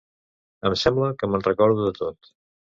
Em sembla que me'n recordo de tot.